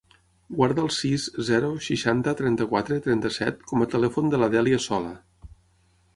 Guarda el sis, zero, seixanta, trenta-quatre, trenta-set com a telèfon de la Dèlia Sola.